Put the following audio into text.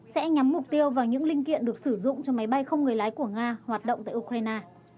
sẽ nhắm mục tiêu vào những linh kiện được sử dụng cho máy bay không người lái của nga hoạt động tại ukraine